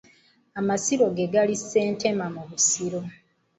Amasiro ge gali Ssentema mu Busiro.